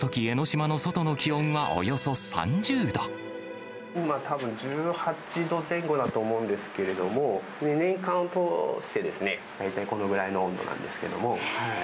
このとき、今、たぶん１８度前後だと思うんですけれども、年間を通して、大体このぐらいの温度なんですけれども。